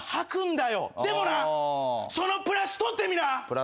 でもなそのプラス取ってみな。